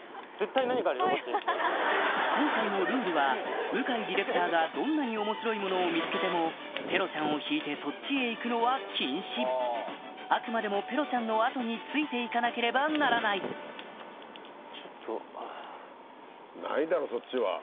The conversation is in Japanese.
今回もルールは向井ディレクターがどんなに面白いものを見つけてもペロちゃんを引いてそっちへ行くのは禁止あくまでもペロちゃんの後に付いて行かなければならないちょっと。